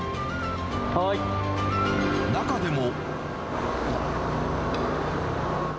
中でも。